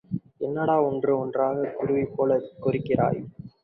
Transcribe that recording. என்னடா ஒன்று ஒன்றாகக் குருவி போலப் கொரிக்கிறாய்?